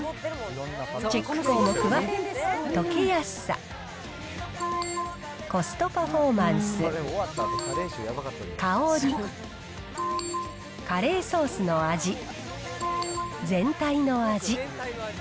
チェック項目は、溶けやすさ、コストパフォーマンス、香り、カレーソースの味、全体の味。